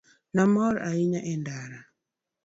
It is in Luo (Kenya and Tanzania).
Ne amor ahinya e ndara.